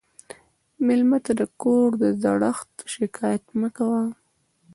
مېلمه ته د کور د زړښت شکایت مه کوه.